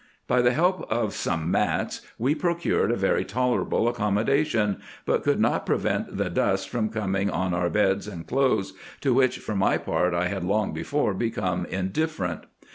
By the help of some mats we procured a very tolerable accommodation, but could not prevent the dust from coming on our beds, and clothes, to which for my part I had long before become indifferent.